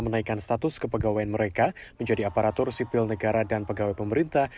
menaikkan status kepegawaian mereka menjadi aparatur sipil negara dan pegawai pemerintah